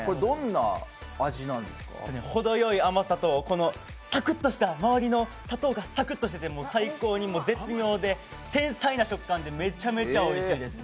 程よい甘さと周りの砂糖がサクッとしていて、最高に絶妙で繊細な食感でめちゃめちゃおいしいです。